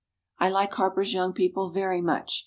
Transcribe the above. I like Harper's Young People very much.